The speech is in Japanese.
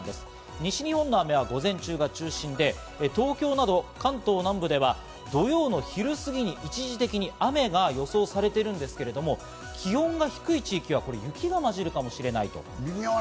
西日本の雨は午前中が中心で、東京など関東南部では土曜の昼すぎに一時的に雨が予想されているんですけど、気温が低い地域は雪がまじるかもしれない。